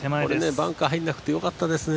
バンカー入らなくてよかったですね。